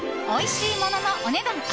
おいしいもののお値段